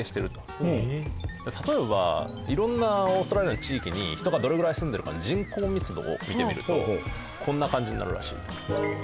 例えばいろんなオーストラリアの地域に人がどれぐらい住んでるかの人口密度を見てみるとこんな感じになるらしい。